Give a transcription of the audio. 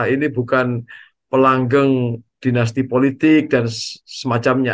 ini bukan pelanggeng dinasti politik dan semacamnya